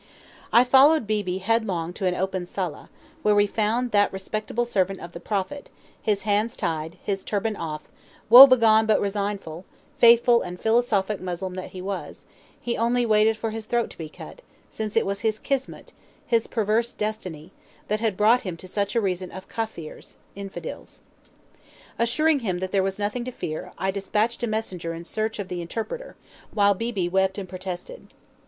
I followed Beebe headlong to an open sala, where we found that respectable servant of the Prophet, his hands tied, his turban off, woe begone but resigned; faithful and philosophic Moslem that he was, he only waited for his throat to be cut, since it was his kismut, his perverse destiny, that had brought him to such a region of Kafirs, (infidels). Assuring him that there was nothing to fear, I despatched a messenger in search of the interpreter, while Beebe wept and protested.